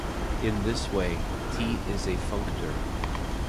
In this way, "T" is a functor.